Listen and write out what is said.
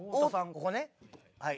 ここねはい。